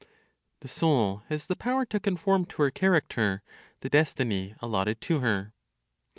THE SOUL HAS THE POWER TO CONFORM TO HER CHARACTER THE DESTINY ALLOTTED TO HER.